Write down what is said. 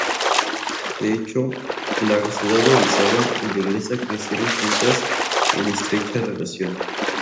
De hecho, la ciudad de Orizaba y la Iglesia crecieron juntas en estrecha relación.